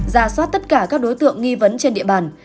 ra soát tất cả các đối tượng nghi vấn trên địa bàn